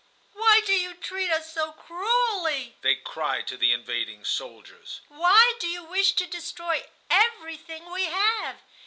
"Why do you treat us so cruelly?" they cried to the invading soldiers. "Why do you wish to destroy everything we have?